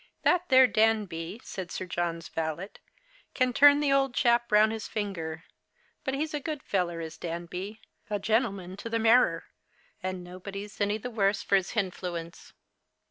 " That there Danby," said Sir John's valet, " can turn The Christmas Hirelings. 21 the old chap round his finger ; but he's a good feller, is Danby, a gentleman to the marrer, and nobody's any the worse for 'is hinfluence."